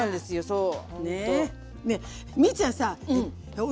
そう。